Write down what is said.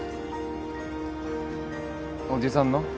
おじさんの？